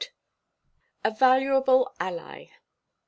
A VALUABLE ALLY.